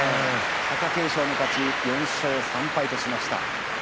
貴景勝、４勝３敗としました。